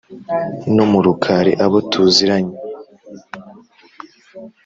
No mu Rukari abo tuziranye